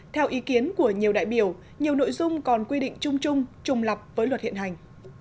theo ý kiến của nhiều đại biểu nhiều nội dung còn quy định chung chung lập với luật hiện hành